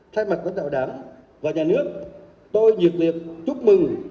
thay mặt với tạo đáng và nhà nước tôi dược liệt chúc mừng